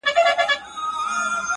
چي د کڼو غوږونه وپاڅوي-